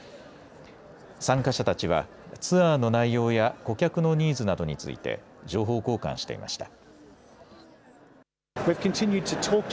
参加者たちは、ツアーの内容や顧客のニーズなどについて、情報交換していました。